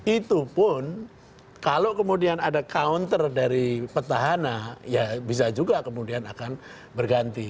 itu pun kalau kemudian ada counter dari petahana ya bisa juga kemudian akan berganti